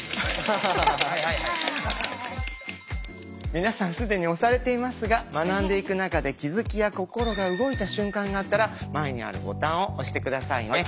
皆さん既に押されていますが学んでいく中で気づきや心が動いた瞬間があったら前にあるボタンを押して下さいね。